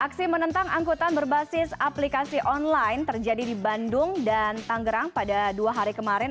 aksi menentang angkutan berbasis aplikasi online terjadi di bandung dan tanggerang pada dua hari kemarin